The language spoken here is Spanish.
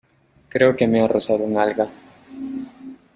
Creo que me ha rozado un alga.